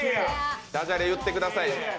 ダジャレ言ってくださいね。